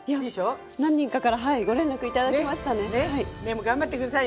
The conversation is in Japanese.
何人かからご連絡いただきましたね。